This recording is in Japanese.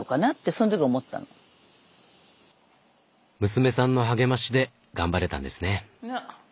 娘さんの励ましで頑張れたんですね。